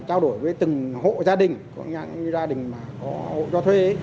trao đổi với từng hộ gia đình có nhà gia đình mà có hộ cho thuê ấy